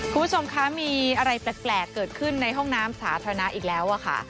คุณผู้ชมคะมีอะไรแปลกเกิดขึ้นในห้องน้ำสาธารณะอีกแล้วค่ะ